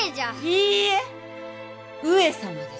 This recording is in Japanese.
いいえ上様です。